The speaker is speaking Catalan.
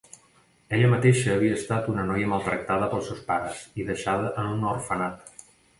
Ella mateixa havia estat una noia maltractada pels seus pares i deixada en un orfenat.